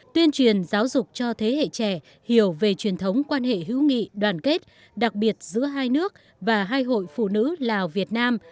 tuyên truyền giáo dục cho thế hệ trẻ hiểu về truyền thống quan hệ hữu nghị đoàn kết đặc biệt giữa hai nước và hai hội phụ nữ lào việt nam